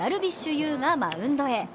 有がマウンドへ。